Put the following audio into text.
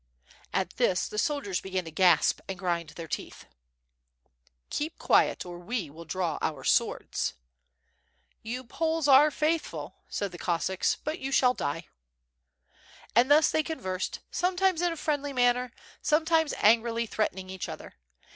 At this the soldiers began to gasp and grind their teeth, "Keep quiet, or we will draw our swords." "You Poles are faithful," said the Cossacks, "but you shall die." And thus they conversed, sometimes in a friendly manner. WITH FIRE AND 8W0RD, j^j sometimes angrily threateniBg each other.